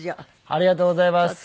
ありがとうございます。